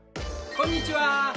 こんにちは。